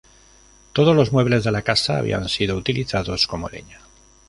Todos los muebles de la casa habían sido utilizados como leña.